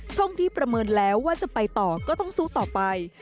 ช่วงที่ประเมินแล้วว่าจะไปต่อก็ต้องสู้ต่อไป